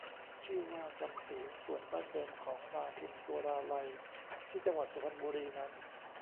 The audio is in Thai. ชื่อว่า จำศีล ส่วนบ้านเดิมของนางพิมสุราลัยที่จังหวัดสุพรรณบุรีนั้น